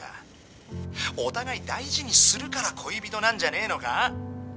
お互い大事にするから恋人なんじゃねえのか？